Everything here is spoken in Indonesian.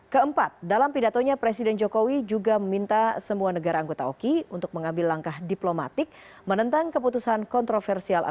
keempat dalam pidatonya presiden jokowi juga meminta semua negara anggota oki untuk mengambil langkah diplomatik menentang keputusan kontroversial